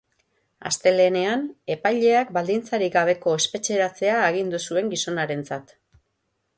Astelehenean, epaileak baldintzarik gabeko espetxeratzea agindu zuen gizonarentzat.